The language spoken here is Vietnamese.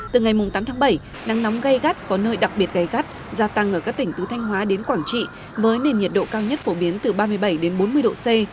từ ngày tám tháng bảy nắng nóng gây gắt có nơi đặc biệt gây gắt gia tăng ở các tỉnh từ thanh hóa đến quảng trị với nền nhiệt độ cao nhất phổ biến từ ba mươi bảy đến bốn mươi độ c